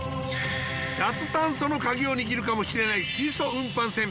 脱炭素のカギを握るかもしれない水素運搬船。